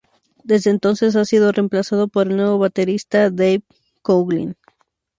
Desde entonces ha sido reemplazado por el nuevo baterista Dave Coughlin.